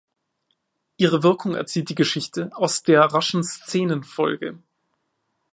Ihre Wirkung erzielt die Geschichte „aus der raschen Szenenfolge“.